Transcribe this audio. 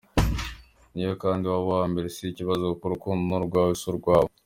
Niyo kandi waba uwa mbere, si ikibazo kuko urukundo ni urwawe si urwabo.